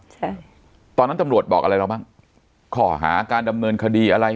ใช่ตอนนั้นตำรวจบอกอะไรเราบ้างข้อหาการดำเนินคดีอะไร